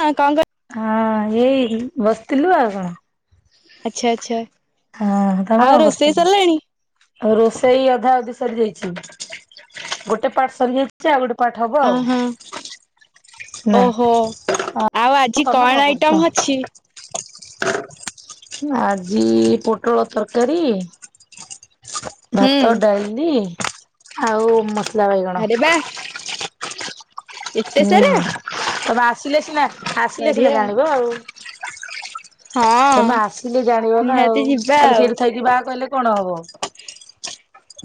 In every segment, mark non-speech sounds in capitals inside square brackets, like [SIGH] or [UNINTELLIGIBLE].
ହଁ କଂ କ। ହଁ ଏଇ ବସିଥିଲୁ ଆଉ କଣ। ଆଚ୍ଛା ଆଚ୍ଛା ହଁ ତମେ ଆଉ କଣ ରୋଷେଇ କରୁଛ ସରିଲାଣି? ଆଉ ରୋଷେଇ ଅଧା ଅଧି। ଗୋଟେ ପାର୍ଟ ସରିଯାଇଛି ଯେ ଆଉ ଗୋଟେ। ପାର୍ଟ ହବ ଅ ଆଉ ହଁ ନା। ଓହୋ ଆଉ ଆଜି କଣ ଆଇଟମ ଅଛି? ଆଜି ପୋଟଳ ତରକାରୀ। ହୁଁ ଭାତ ଡାଲି। ଆଉ ମ। ବାଇଗଣ। ଆରେ ବା ଏତେ ସାରା। ହୁଁ। ତମେ ଆସିଲେ ସିନା। ଆସିଲେ ସିନା ବଢିଆ ଜାଣିବ ଆଉ। ହଁ ତମେ ଆସିଲେ ଜାଣିବ ନା ନିହାତି ଆଉ ଯିବା ଖାଲି ଆଉ ସେଇଠି ଥକି ବାହା କହିଲେ। କଣ ହବ? [INAUDIBLE]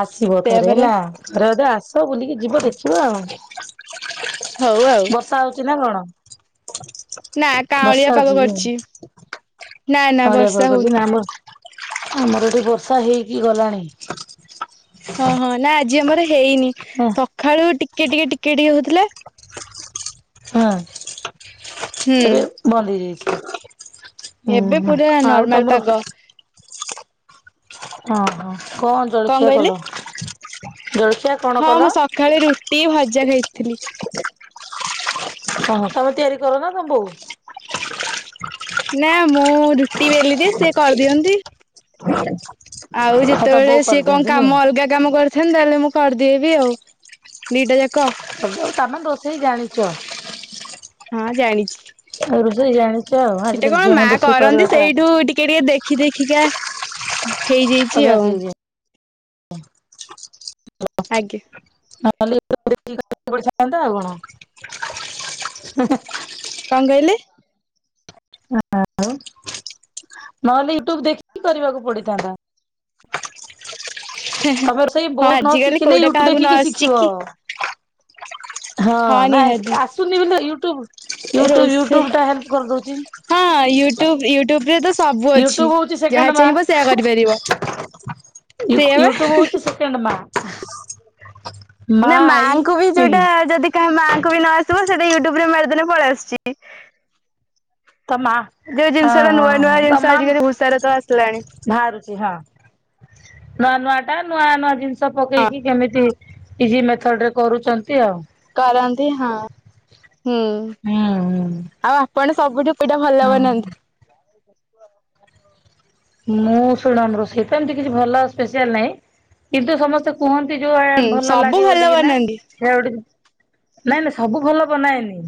ଆସିବ ସେଇଆ ଥରେ ପରା ହେଲା ଥରେଧ ଆସ। ତ ବୁଲିକି ଯିବ ଦେଖିବ ଆଉ। ହଉ ଆଉ। କି ନା ଗାଣ ନା କାଁଳିଆ ପାଗ କରିଛି। ନା ନା କାଉଁଳିଆ ପାଗ ବର୍ଷା କରିଛି ହଉନି। ନା ଆମର ଆମର ଏଠିକି ବର୍ଷା ହେଇକି ଗଲାଣି। ହଁ ହଁ ନା। ଯେ ଆମର ହେଇନି ହଁ ସକାଳୁ ଟିକେ କିଏ ଟିକେ ଟିକେ ଟିକେ ହଉଥିଲେ। ହଁ। ହୁଁ ଏବେ ବି ବ ହେଇଯାଇଛି। ହୁଁ ଏବେ ହୁଁ ପୁରୁରା ଆଉ ନର୍ମାଲ ତମର ପାଗ ହଁ ହୋ କଣ ଜଳଖିଆ କଲ ଆଛା ହଁ ମୁଁ ସକାଳେ ରୁଟି ଭଜା ଖାଇଥିଲି ଥିଲି ହଁ ତମେ ତିଆରି କର ନା ତମ ବଉ ନା ମଁ ପଟି ବେଲି ଦି ସେ କରିଦିଅନ୍ତି ଆଉ ତମ ଯେତେବେଳେ ବୋଉ ସିଏ କଣ କରିଦିଅନ୍ତି କାମ ଅଲଗା କାମ କରିଥାନ୍ତତା ତାହେଲେ ମୁଁ କରିଦିବି ଆଉ ଦିଟା ଯାକ ଉ ତମେ ଦୋଷେଇ ଜାଣିଛ ହଁ ଜାଣିଛି ଇାଣି ସେଟେ କଣ ମା କରନ୍ତି ସେଇଠୁ ଟିକେ ଟିକେ ଦେଖି ଦେଖିକା ହେଇଯାଇଛି ଅଭ୍ୟାସ ଆଉ ହେଇଯାଏ ଆଜ୍ଞ ନଲେ ପନ୍ତା ଆଉ କଣ ହୁଁ କଣ କହିଲେ ଉ ଆ ଉ ନହେଲେ ୟୁଟ୍ୟୁବ ଦେଖିକି କରିବାକୁ ପଡିଥାନ୍ତା ତମେ ରୋ ସେଇ ହଁ ବୋଠ ନ ଆଜିକାଲି ଶିଖିଲେ କୋଉଟା ୟୁଟ୍ୟୁବ କାହାକୁ ନ ଦେଖିକି ଆସିଛି ଶିଖିବ କି [INAUDIBLE] ହଁ ନା ଆସ ଆସୁନି ବୋଲି ତୁ ଏ ୟୁଟ୍ୟୁବ ରୋଷେଇ ୟୁଟୁବ ଟା ହେଲ୍ପ କରିଦଉଛି ହଁ ୟୁଟ୍ୟୁବ ୟୁଟ୍ୟୁବ ରେ ତ ସବୁ ୟୁଟ୍ୟୁବ ଅଛି ହଉଛି ସେକେଣ୍ଡ ଯାହା ମା ଚାହିଁବ ସେୟଆ କରିପାରିବ ସେ ବା ୟୁଟ୍ୟୁବ ହଉଛି ସେକେଣ୍ଡ ମା ମା ନା ଆଇ ମାଙ୍କୁ ବି ନୁହେଁ କି ଯୋଉଟା ଯଦି କାହା ମାଆଙ୍କୁ ବି ନ ଆସିବ ସେଟା ୟୁଟ୍ୟୁବ ରେ ମାରଦିନେ ପଳେଇ ଆସୁଛି ମା ଯୋଉ ହଁ ଜିନିଷ ଟା ହଁ ନୂଆ ହ ନୂଆ ଜିନିଷ ତମ ଆଜିକାଲି ଭୂଷାର ତ ଆସିଲାଣି ଭାରୁଛି ହଁ ନଟ ନୂଆ ନୂଆ ଜିନିଷ ଷ ହଁ ପକେଇକି କେମିତି ହେଇଛି ଇଜି ମେଥଡ ରେ କରୁଛନ୍ତି ଆଉ କରନ୍ତି ହଁ ହୁଁ ହୁଁ ହୁଁ ଆଉ ଆପଣ ସବୁଠୁ ସେଇଟା ଭଲ ହଁ ବନାନ୍ତି ବ [UNINTELLIGIBLE] ମୁଁ ଶୁଣନ୍ତୁ ରୋଷେଇ ତ ଏମିତି କିଛି ଭଲ ସ୍ପେଶଆଲ ନାହିଁ କିନ୍ତୁ ସମସ୍ତେ କୁହନ୍ତି ଯୋଉ ହୁଁ ଭଲ ସବୁ ଲାଗେ ଭଲ ବୋଲିକି ନା ବନାନ୍ତି ସେୟା ଗୋ ନାଇଁ ନାଇଁ ସବୁ ଭଲ। ବନାଏନି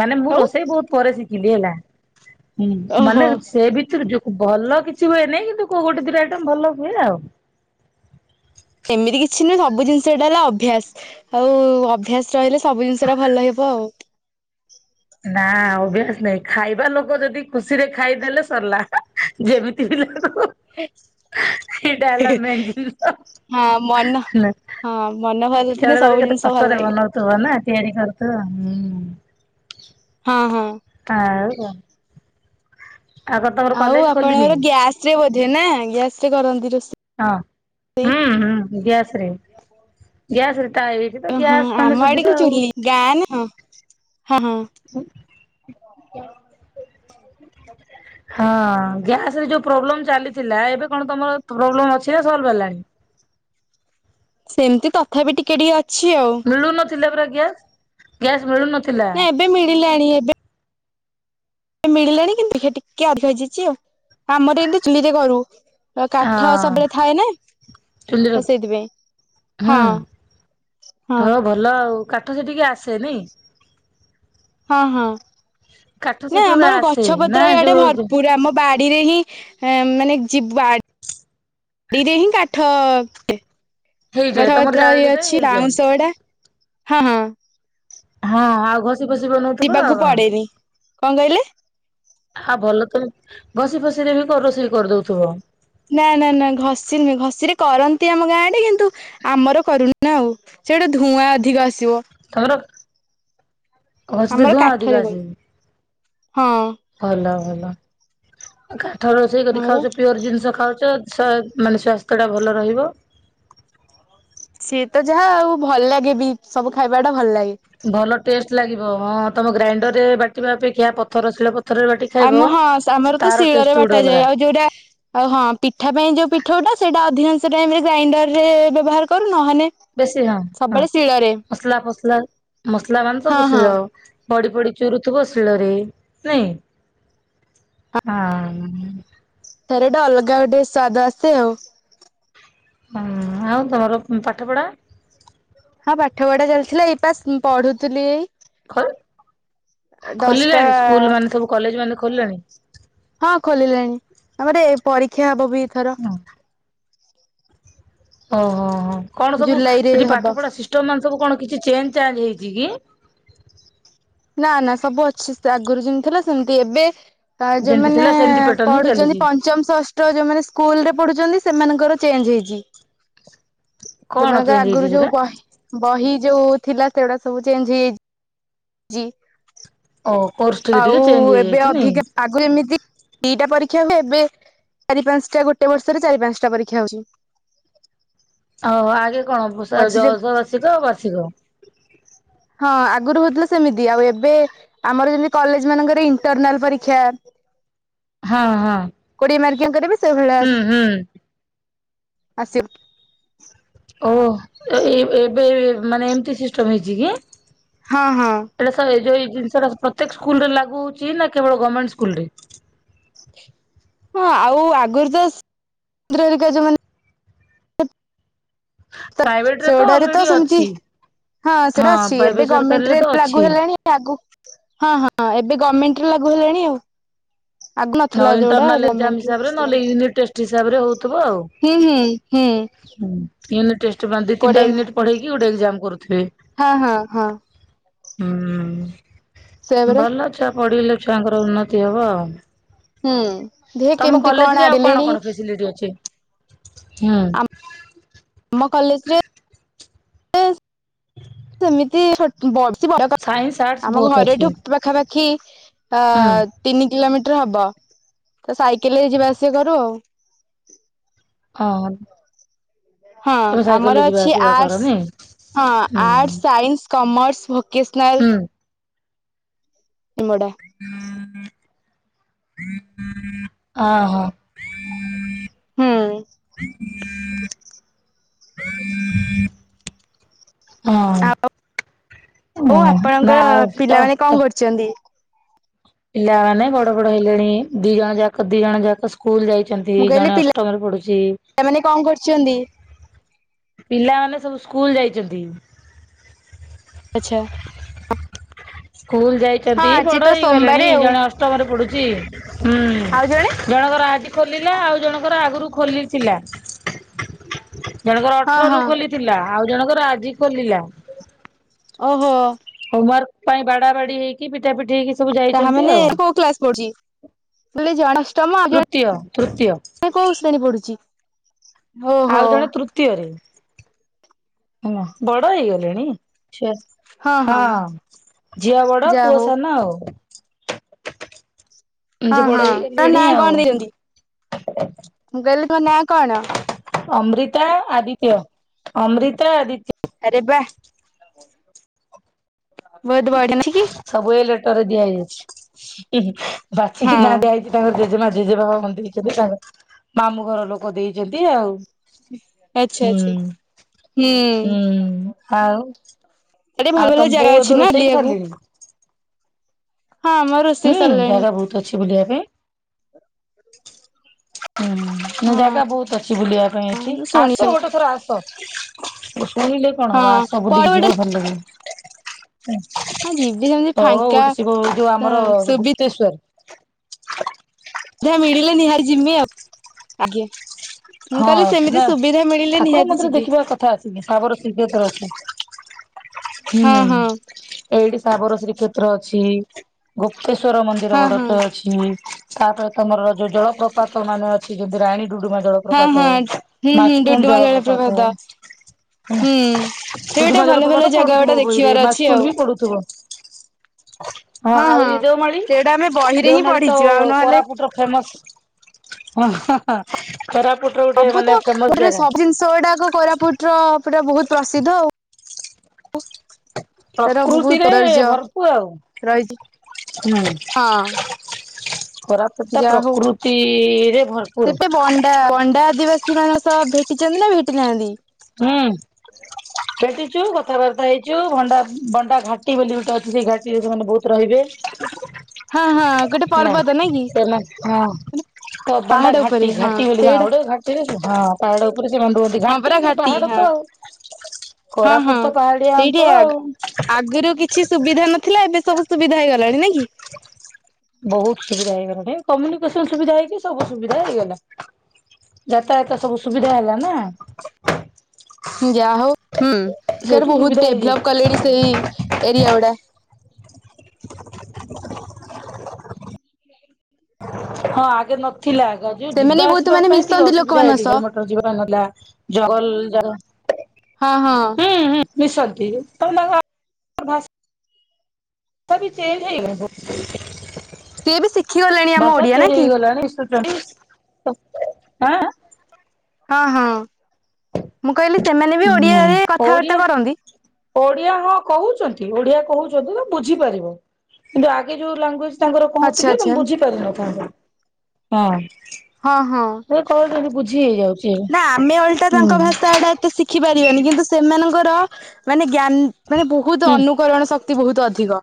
ମାନେ ମୁଁ ଆଉ ରୋଷେଇ ବି ବହୁତ ପରେରେ ଶିଖି [UNINTELLIGIBLE] ହେଲା ହୁଁ ମନେ ଓହୋ ସେବିତ ତ୍ର ଜୁ [UNINTELLIGIBLE] ଭଲ କିଛି ହୁଏନହିଁ କିନ୍ତୁ କୋଉ ଗୋଟେ ଦୁଇଟା ଆଇଟମ ଭଲ ହୁଏ ନା ଆଉ। ଏମିତି କିଛି ନୁହେଁ ସବୁ ଜିନିଷ ଏଟା ହେଲା ଅଭ୍ୟାସ ଆଉ ଅଭ୍ୟାସ ରହିଲେ ସବୁ ଜିନିଷ ଟା ଭଲ ହେବ ଆଉ। ନା ଅଭ୍ୟାସ ନାଇଁ ଖାଇବା ଲୋକ ଯଦି ଖୁସିରେ ଖାଇଦେଲେ ସରିଲା ହା ଯେମିତି। ଲାଗୁ ସେଇଟା ହୁ ହେଲା ମେନ୍ ଜିନିଷ। ହଁ ମନ ହଁ ମନ ଭଲ ଥିଲେ ସବୁ କେବେବେ କେତେ ଜିନିଷ ଭଲ କଷ୍ଟରେ ଲାଗିବ ବନଉଥିବ ନା। ତିଆରି କରୁଥିବ ହୁଁ ହଁ ହଁ ହ [UNINTELLIGIBLE] ଆଉ ଖୋଲିନି ଆପଣଙ୍କର ଗ୍ୟାସ ରେ ବୋଧେ ନା ଗ୍ୟାସ ରେ କରନ୍ତି ରୋଷେଇ। ହଁ ହୁଁ ହୁଁ ଗ୍ୟାସ ରେ ଗ୍ୟାସ ରେ ତା ଏଠି ତ ହଁ ଗ୍ୟାସ ଆମ ମାନେ ଆଡେ କି ସୁବିଧା ଚୁଲି ଆଉ। ଗାଁ ନା ହଁ ହଁ ହଁ। ହ ମର [INAUDIBLE] ସଠ ଚା ହଁ ଗ୍ୟାସ ରେ ଯୋଉ ପ୍ରୋବ୍ଲେମ ଚାଲିଥିଲା ଏବେ କଣ ତମର ପ୍ରୋବ୍ଲେମ ଅଛି ନା ସଲ୍ଭ ହେଲାଣି। ସେମିତି ତଥାପି ଟିକେ ଟିକେ ଅଛି। ଆଉ ମିଳୁନ ଥିଲା ପରା ଗ୍ୟାସ ମିଳୁନଥିଲା ନା ଏବେ ମିଳିଲାଣି। ଏବେ ମିଳିଲାଣି କିନ୍ତୁ ଟିକେ ଅଧିକ ହେଇଯାଇଛି ଆଉ ଆମର ଏମିତି ଚୁଲିରେ କରୁ କାଠ ହଁ ସବୁବେଳେ ଥାଏ ନା ଚୁଲିରେ ତ ସେଇଥିପାଇଁ ହଁ ହୁଁ ହଁ। ହଉ ଭଲ ଆଉ କାଠ ସେଠିକେ ଆସେ ନାଇଁ। ହଁ ହଁ। କାଠ ନା ସେଠୁ ଆମର ଆସେ ଗଛ ନା ପତ୍ର ଇଆଡେ ଯୋଉ ଭରପୁର ଆମ ବା ଆଡିରେ ହିଁ ମାନେ [INAUDIBLE] ଯିବଡିରେ ହିଁ କାଠ। ହେଇଯାଏ ତମର ଗଠପତ୍ର ଜାଳେଣୀ ପାଇଁ ଅଛି ହେଇଯାଏ। ବାଉଁଶ ଗଡା ହଁ ହଁ। ହଁ ଆଉ ଘ ଶିବ ଶିବ ନଉଥିବା ଯିବାକୁ ଆଉ କଣ? ପଡେନି। କଣ କହିଲେ ଆଉ ଭଲ ତ। ଘସି ଫସି ରେ ବି କରି ରୋଷେଇ କରିଦଉଥିବ। ନା ନା ନା ଘଷ ନୁହେଁ ଘଷିରେ କରନ୍ତି ଆମ ଗାଁ ଟେ କିନ୍ତୁ ଆମର କରୁନୁ ଆଉ ସେଟା ଧୂଆଁ ଅଧିକ ଆସିବ। ଖବର। ହ ସେତ ଆମର ଧୂଆଁ ଅଧିକ କାଠରେ ଆସ କରୁ ହଁ ଭଲ ଭଲ। [UNINTELLIGIBLE] ଥର ସେଇ କରି ଆମର ଖାଉଛ ପିଓର ଜିନିଷ ଖାଉଛ ମାନେ ସ୍ୱାସ୍ଥ୍ୟଟା ଭଲ ରହିବ। ସିଏ ତ ଯାହା ଆଉ ଭଲ ଲାଗେ ବି ସବୁ ଖାଇବା ଟା ଭଲ ଲାଗେ। ଭଲ ଟେଷ୍ଟ୍ ଲାଗିବ ହଁ ତମ ଗ୍ରାଇଣ୍ଡର ରେ ବାଟିବା ଅପେକ୍ଷା ପଥର ଶିଳ ପଥରରେ ବାଟି ଖାଇବ ଆମ ହଁ ସେ ଆମର ତ ତାର ଶିଳରେ ଟେଷ୍ଟ ଗୋଟେ ଅଲଗା ବାଟାାଯାଏ ଆଉ ଯୋଉଟା ଆଉ ହଁ ପିଠା ପାଇଁ ଯୋଉ ପିଠ ଉଟା ସେଇଟା ଅଧିକାଂଶ ସେ ଟାଇମ୍ରେ ଗ୍ରାଇଣ୍ଡରରେ ବ୍ୟବହାର କରୁ। ନହେଲେ ବେଶୀ ହଁ ହଁ ସବୁବେଳେ ଶିଳରେ ମସଲା ଫସଲା ମସଲା ମାଂସ [UNINTELLIGIBLE] ହଁ ହଁ ପୋଷଳ ଆଉ। ପଡି ପଡି ଚୁରୁଥିବ ଶିଳରେ ନାଇଁ ହଁ ସାରେଟା ଅଲଗା ଗୋଟେ ସ୍ଵାଦ ଆସେ ଆଉ ହଁ ଆଉ ତମର ପାଠ ପଢା ହଁ ପାଠ ପଢା ଚାଲିଥିଲା ଏଇ ପା ପଢୁଥିଲି ଏଇ ଖୋଲ, ଦଶଟା ଖୋଲିଲାଣି ସ୍କୁଲ ମାନେ ସବୁ କଲେଜ୍ ମାନେ ଖୋଲିଲାଣି ହଁ ଖୋଲିଲେଣି ଆମର ଏ ପରୀକ୍ଷା ହବ ବି ଖର ଓହୋ ହୋ ହୋ କଣ ସବୁ, ଜୁଲାଇ ରେ ସେଠି ପାଠ ହବ। ପଢା ସିଷ୍ଟମ ମାନେ ସବୁ କଣ କିଛି ଚେଞ୍ଜ୍ ଚାଞ୍ଜ୍ ହେଇଛି । ଜ କି [UNINTELLIGIBLE] ନା ନା ସବୁ ଅଛି, ସେ ଆଗରୁ ଯେମିତି ଥିଲା ସେମତି ଏବେ ତ ଯେମିତି ଯୋଉମାନେ ଥିଲା ସେମିତି ପ୍ୟାଟର୍ନ ହିଁ ପଢୁଛନ୍ତି, ଚାଲିଛି ପଞ୍ଚମ ଷଷ୍ଠ ଯୋଉମାନେ ସ୍କୁଲ ରେ ପଡୁଛନ୍ତି ସେମାନଙ୍କର ଚେଞ୍ଜ ହେଇଛି। କଣ ଯୋମାନଙ୍କର ଚେଞ୍ଜ ହେଇଛି ଆଗରୁ ସେଟା? ଯୋଉ ବହି ବହି ଯୋଉ ଥିଲା ସେଗୁଡା ସବୁ ଚେଞ୍ଜ ହେଇଯାଇଛି ଜି ଓ କୋର୍ସ । ଟିକେ ଆଉ ଟିକେ ଚେଞ୍ଜ ଏବେ ହେଇଯାଇଛି ନାଇଁ ଅଧିକ ଆଗ ଏମିତି ଦିଟା ପରୀକ୍ଷା ହୁଏ, ଏବେ ଚାରି ପାଞ୍ଚଟା ଗୋଟେ ବର୍ଷରେ ଚାରି ପାଞ୍ଚଟା ପରୀକ୍ଷା ହଉଛି ଓଉ ଆଗେ କଣ ଯଶ ମଝିରେ ବାର୍ଷିକ ଆଉ ବାର୍ଷିକ । ହଁ ଆଗରୁ ହଉଥିଲା ସେମିତି ଆଉ ଏବେ ଆମର ଯେମତି କଲେଜ ମାନଙ୍କର ଇଣ୍ଟରନାଲ ପରୀକ୍ଷା ହଁ ହଁ। ଙ୍କରିବ। ହୁଁ ହୁଁ। ଆସିବ। ଓ ଏବେ ମାନେ ଏମତି ସିଷ୍ଟମ ହେଇଛି କି। ହଁ ହଁ ଏଟ ସବ ଏ ଯୋଇ ଜିନିଷା ପ୍ରତକ ସ୍କୁଲ ରେ ଲାଗୁ ହଉଛି ନା କେବଳ ଗମେଣ୍ଡ ସ୍କୁଲରେ ହଁ ଆଉ ଆଗରୁ ତରିକ ଯୋ ମାନେ ପ୍ରାଇଭେଟ ରେ ସେଗୁଡାରେ ତ ଅଲରେଡି ସେମତି ଅଛି ହଁ ସେଟା ଅଛି ପ୍ରାଇଭେଟ ଏବେ ସରକାରୀରେ ଗଭର୍ମେଣ୍ଟରେ ତ ଅଛି। ଲାଗୁ ହେଲାଣି ଆଗ ହଁ ହଁ ଏବେ ଗମେଣ୍ଟ ର ଲାଗୁ ହେଲାଣି ଆଉ। ଆଗୁ ହଁ ନଥିଲା ଯୋଉଟା ଇଣ୍ଟରନାଲ ଏକ୍ଜାମ ଗମେଣ୍ଟ ରେ ହିସାବରେ ନହେଲେ ଆସିଲାଣି। ୟୁନିଟ୍ ଟେଷ୍ଟ ହିସାବରେ ହଉଥିବ ଆଉ। ହୁଁ ହୁଁ ହୁଁ ୟୁନିଟ ଟେଷ୍ଟ ଦି କୋଡିଏ ତିନିଟା ୟୁନିଟ୍ ପଢେଇକି ଗୋଟେ ଏକ୍ଜାମ କରୁଥେ ହଁ ହଁ ହଁ। ସେୟା ହୁଁଉ। ପରା ଭଲ ଅଛ। ପଡିିଲେ ଛୁଆଙ୍କର ଉନ୍ନତି ହବ ଆଉ। ହୁଁ। ଦେ ତମ କେମିତି କଲେଜରେ ଆଉ କଣ ଆଗିଲେଣି କଣ ଫେସିଲିଟୀ ଅଛି ହୁଁ। କଲେଜ ରେ। ସେମିତି। [INAUDIBLE] ବ ସାଇନ୍ସ ଆର୍ଟସ୍ ଆମ ବହୁତ ଅଛି। ଘରଠୁ ପାଖାପାଖି ଖି। ଅ ହୁଁ ତିନି କିଲୋମିଟର ହବ ତ ସାଇକେଲରେ ଯିବା ଆସିବା କରୁ ଆଉ। ହଁ। ହଁ ତମେ ଆମର ସାଇକେଲରେ ଯିବା ଅଛି ଆସିବା କର ଆର୍ଟସ୍ ନାଇଁ? ହଁ ହୁଁ ଆର୍ଟସ୍ ସାଇନ୍ସ। କମର୍ସ ଭ କିସ୍ନାଲ। ହୁଁ ମୋଡା। ହ ହୋ। ହୁଁ। [INAUDIBLE] ଆଉ ହଉ ଓହୋ ନା ଆପଣଙ୍କର ଆଉ ପିଲାମାନେ କଣ କରୁଛନ୍ତି? ପିଲା ମାନେ ବଡ ବଡ ହେଲେଣି ଦି ଜଣ ଯାକ ଦି ଜଣ ଯାକ ସ୍କୁଲ ଯାଇଛନ୍ତି ମୁଁ କହିଲି ଜଣେ ଅଷ୍ଟମରେ ପଢୁଛି ପିଲାମାନେ କଣ କରୁଛନ୍ତି? ପିଲାମାନେ ସବୁ ସ୍କୁଲ୍ ଯାଇଛନ୍ତି। ଆଚ୍ଛା। ସ୍କୁଲ ହଁ ଯାଇଛନ୍ତି ଆଜି ବଡ ତ ହେଇ ସୋମବାର ଗଲେଣି ଆଉ ଜଣେ ଅଷ୍ଟମରେ ପଢୁଛି। ଚି। [UNINTELLIGIBLE] ହୁଁ ଆଉ ଜଣେ? ଜଣଙ୍କର ଆଜି ଖୋଲିଲା ଆଉ ଜଣଙ୍କର ଆଗରୁ ଖୋଲିଥିଲା। ଜଣଙ୍କର ହଁ ଅଠର ରୁ ହଁ ଖୋଲିଥିଲା। ଆଉ ଜଣକ ଆଜି ଖୋଲିଲା। ଓଃ ହୋ। ୱାର୍କ ପାଇଁ ବାଡା ବାଡି ହେଇକି ପିଟା ପିଟି ହେଇକି ସବୁ ତାହା ଯାଇଛନ୍ତି ମାନେ ଆଉ କୋଉ କ୍ଲାସ ପଢୁଛି? ତମ ତୃତୀୟ ତୃତୀୟ କୋଉ ଶ୍ରେଣୀ ପଢୁଛି। ଆଉ ଓହୋ ଜଣେ ତୃତୀୟରେ। ହଁ ବଡ ହେଇଗଲେଣି? ହଁ ଝିଅ ବଡ ଯାହା ପୁଅ ହଉ। ସାନ ଆଉ ହଁ ଯେ ବଡ ହଁ ତା ହେଇଗଲେଣି ନଁ ଆଉ କଣ ଦେଇଛନ୍ତି? [INAUDIBLE] ମୁଁ କହିଲି ତୋ ନାଁ କଣ? ଅମ୍ରିତା, ଆଦିତ୍ୟ, ଅମ୍ରିତା, ଆଦିତ୍ୟ। ଆରେ ବା! ସବୁ ଏଇ ଲେଟର ରେ ଦିଆ ହୋଇଛି [UNINTELLIGIBLE] ବାଛିିକି ନାଁ ହଁ ଦିଆହେଇଛି ତାଙ୍କର ଜେଜେମା, ଜେଜେବାବା ଦେଇଛନ୍ତି ତାଙ୍କ ମାମୁଁ ଘର ଲୋକ ଦେଇଛନ୍ତି ଆଉ ଆଚ୍ଛା ହୁଁ ଆଚ୍ଛା ହୁଁ। ହୁଁ ଆଉ ଆଡେ ଭଲ ଆଉ ଭଲ ତମ ବୋଉ ଜାଗା ଏବେ ଅଛି ନା ରୋଷେଇ ବୁଲିଆକୁ। ସାରିଲେଣି ହଁ ଆମ ହୁଁ ରୋଷେଇ ସରିଲାଣି। ଜାଗା ବହୁତ ଅଛି ବୁଲିବା ପାଇଁ ହୁଁ ହଁ ଜାଗା ବହୁତ ଅଛି ବୁଲିବା ପାଇଁ ଏଠି ମୁଁ ଶୁଣିଛି ଆସ ଗୋଟେ ଥର ଆସ କହିଲେ କଣ ହବ ହଁ ଆସ କୁଆଡେ ବୁଲିକି ଗୋଟେ ଯିବ ଭଲ ଲାଗିବ। ହଁ ଯିବି ସେମିତି ଫାଙ୍କା ଗୋଟେ ଶିବ ଯୋଉ ଆମର ସୁବିଧା ଗୁପ୍ତେସ୍ଵର। ନିହାତି ଯିମି ଆଉ ଆଜ୍ଞା। ମୁଁ କହିଲି ହଁ ସେମିତି ନା ସୁବିଧା ମିଳିଲେ ଠାକୁର ନିହାତି ମନ୍ଦିର ଯିବି ଦେଖିବା କଥା ଆସକି ତାପରେ ସିଧେସ୍ଵର ଅଛି ହଁ ହୁଁ ହଁ ଏଇଠି ତାପରେ ଶ୍ରୀ କ୍ଷେତ୍ର ଅଛି ଗୋ ତେଶ୍ଵର ମନ୍ଦିର ହଁ ଗୋଟେ ହଁ ତ ଅଛି। ତାପ ତମର ଯୋଉ ଜଳପ୍ରପାତ [UNINTELLIGIBLE] ହଁ ହଁ ହୁଁ ହୁଁ ଡୁଡୁମା ଜଳପ୍ରପାତ ହେଲା ହୁଁ ସେ ଗୋଟେ ଡୁଡୁମା ଭଲ ଜଳପ୍ରପାତ ଭଲ ଜାଗା ପଡୁଥିବ ଗୋଟେ ବହିରେ ଦେଖିବାର ଅଛି ମାଛକୁଣ୍ଡ ଆଉ। ବି ପଡୁଥିବ। ହଁ ଆହୁରି ଦେଓମାଳି, ସେଇଟା ଆମେ ବହିରେ ହିଁ ଦେଓମାଳି ତ ପଢିଛୁ ଆଉ ନହେଲେ କୋରାପୁଟ ର ଫେମସ ଓଁ ହ। କୋରାପ ସବୁ ତ ଗୋଟେ ସବୁ ଜିନିଷ ଗୁଡାକ କୋରାପୁଟର ପୁଟ ର ବହୁତ ପ୍ରସିଦ୍ଧ ଆଉ ତାର ବହୁତ ପ୍ରକୃତିରେ ସୌନ୍ଦର୍ଯ୍ୟ ଭରପୁ ଆଉ ରହିଛି ହୁଁ [INAUDIBLE] ଟା ଯା ହଉ ପ୍ରକୃତିରେ ଭରପୁର ସେଟେ ବଣ୍ଡା ବଣ୍ଡା ଆଦିବାସୀ ମାନଙ୍କ ସହ ଭ ଭେଟିଛନ୍ତି ନା ଭେଟିନାହାନ୍ତି ହୁଁ ସେଠି କଥାବାର୍ତ୍ତା ହେଇଛୁ ଭଣ୍ଡା ଭଣ୍ଡା ଘାଟି ବୋଲି ଗୋଟେ ଅଛି ସେଇ ଘାଟିରେ ସେମାନେ ବହୁତ ରହିବେ ହଁ ହଁ ଗୋଟେ ନା ପର୍ବତ ନାଇଁ କି ସେମାନେ ହଁ ହ ବଣ୍ଡା ପାହାଡ ଉପରେ ଘାଟି ହଁ ଘାଟି ବୋଲି ଗାଁ ସେଇଟା ଗଡେ ଘାଟିରେ ହଁ ପାଡ଼ ବଧୁ ଅଧ ଘା ହଁ [UNINTELLIGIBLE] ଘାଟି ହଁ ହଁ କୋରାପୁଟ ତ ପାହାଡିଆ ସେଇଠି ଅଞ୍ଚଳ ଆଉ। ଆଗରୁ କିଛି ସୁବିଧା ନଥିଲା ଏବେ ସବୁ ସୁବିଧା ହେଇଗଲାଣି ନ କି ବହୁତ ସୁବିଧା ହେଇଗଲାଣି କମ୍ୟୁନିକେସନ ସୁବିଧା ହେଇକି ସବୁ ସୁବିଧା ହେଇଗଲା ଯାତାୟାତ ସବୁ ସୁବିଧା ହେଲା ନା କି ଯାହା ହଉ ହୁଁ ସର ସେଇଠୁ ବହୁତ ସୁବିଧା ଡେଭଲପ୍ ହେଇଯାଇଛି କଲେଣି ସେଇ ଏରିଆ ଗୁଡା ହଁ [INAUDIBLE] [INAUDIBLE] ହଁ ଆଗେ ନ ଥିଲା ଯୋଉ ସେମାନେ ଯିବା ବହୁତ ଆସିବା ମାନେ ପାଇଁ ଟିକେ ମିଶନ୍ତି ଅସୁବିଧା ହେଇ ଲୋକମାନଙ୍କ ଟିକ ସହ ମୋଟର ଯିବା ପାଇଁ ନେଲା ଜଙ୍ଗଲ ଜାଗା ହଁ ହଁ ହୁଁ ହୁଁ ମିଶନ୍ତି ତା ଭାଷା ତଥାପି ଚେଞ୍ଜ ହେଇଗଲ। ସିଏ ବି ଶିଖି ଗଲେଣି ଆମ ଓଡିଆ ନା କି? ହେଇଗଲାଣି [UNINTELLIGIBLE] ଆଁ ଆଁ ହଁ ହଁ ଅଁ ମୁଁ କହିଲି ସେମାନେ ବି ହୁଁ ଓଡିଆରେ କଥାବାର୍ତ୍ତା ଓଡିଆ କରନ୍ତି? ଓଡିଆ ହଁ କହୁଚନ୍ତି ଓଡିଆ କହୁଛନ୍ତି ତ ବୁଝିପାରିବ। କିନ୍ତୁ ଆଗେ ଯୋଉ ଲାଙ୍ଗୁଏଜ ତାଙ୍କର ଆଚ୍ଛା କହୁଥିଲେ ତମେ ଆଚ୍ଛା ବୁଝି ପାରିନଥାନ୍ତ। ହଁ। ହଁ ହଁ। ମୁଁ କହୁଥିଲି ବୁଝ ନା ଆମେ ଓଲଟା ତାଙ୍କ ଭାଷା ଗୁଡା ଏତେ ଶିଖ ଶିଖି ପାରିବାନି। କିନ୍ତୁ ସେମାନଙ୍କର ମାନେ ଜ୍ଞାନ ମାନେ ବହୁତ ହୁଁ। ଅନୁକରଣ ଶକ୍ କ୍ତି ବହୁତ ଅଧିକ।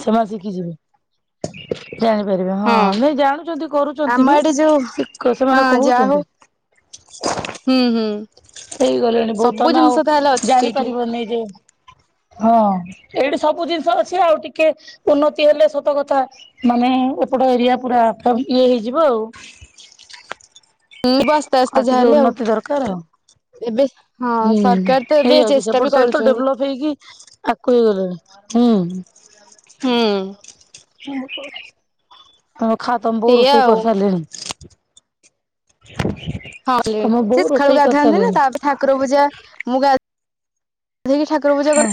ସେମାନେ ଶିଖିଯିବେ। ଜାଣିପାରିବେ ହଁ ନାଇଁ ଜାଣୁଚନ୍ତି ଆମ କରୁଚନ୍ତି ବି ଏଠି ଯୋଉ ଠିକ୍ କି ହଁ ସେମାନେ ଯା ହଉ କହୁଛନ୍ତି। ହୁଁ ହୁଁ। ହେଇଗଲେଣି ବୋଉ ସବୁ ତମେ ଆଉ ଜିନିଷ ତାହେଲେ ଅଛି ସେଇଠି ଜାଣିପାରିବନି ଯେ ହଁ ଏଇଠି ସବୁ ଜିନିଷ ଅଛି ଆଉ ଟିକେ ଉନ୍ନତି ହେଲେ ସତ କଥା ମାନେ ଏପଟ ଏରିଆ ପୁରା ଇଏ ହେଇଯିବ ଆଉ। ଯିବ ଆସ୍ତେ ଆଉ ଆସ୍ତେ ଟିକେ ଯାହାହେଲେ ଆଉ। ଉନ୍ନତି ଦରକାର ଆଉ ଏବେ ହଁ ହୁଁ। ସରକାର ତ ଏବେ ହେଇଯାଉଛି ଚେଷ୍ଟା ବି ସେପଟ ସାଇଡ ତ କରୁଛନ୍ତି। ଡେଭଲପ ହେଇକି ଆଗକୁ ହେଇଗଲାଣି ହୁଁ। ଓହୋ। ଆଉ ଖାଅ ତମ ବୋଉ ସେଇଆ ରୋଷେଇ ଆଉ କରିସାରିଲେଣି। ହଁ ତମ ସେ ବୋଉ ସଖାଳୁ ରୋଷେଇ ଗାଧାନ୍ତି ନା କରିସାରିଲେଣି। ତାପରେ ଠାକୁର ପୂଜା ମୁଁ ଗା ଇକି ଠାକୁର ପୂଜା କର